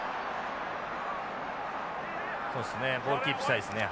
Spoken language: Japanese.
そうですねボールキープしたいですね。